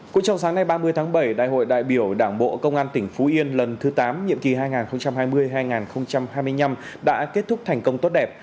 cũng trong sáng nay ba mươi tháng bảy đại hội đại biểu đảng bộ công an tỉnh phú yên lần thứ tám nhiệm kỳ hai nghìn hai mươi hai nghìn hai mươi năm đã kết thúc thành công tốt đẹp